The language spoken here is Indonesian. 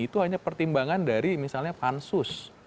itu hanya pertimbangan dari misalnya pansus